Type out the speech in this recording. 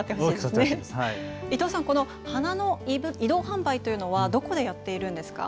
伊藤さん、この移動販売というのはどこでやっているんですか。